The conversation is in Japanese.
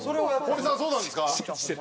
堀さんそうなんですか？